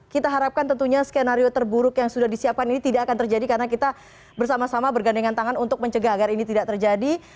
kita harapkan tentunya skenario terburuk yang sudah disiapkan ini tidak akan terjadi karena kita bersama sama bergandengan tangan untuk mencegah agar ini tidak terjadi